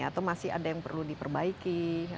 atau masih ada yang perlu diperbaiki